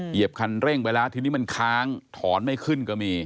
เหยียบคันเร่งไปแล้วทีนี้มันค้างถอนไม่ขึ้นก็มี